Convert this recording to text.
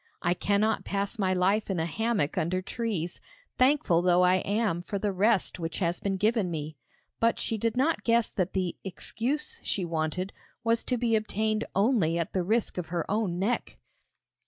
I cannot pass my life in a hammock under trees, thankful though I am for the rest which has been given me.' But she did not guess that the 'excuse' she wanted was to be obtained only at the risk of her own neck.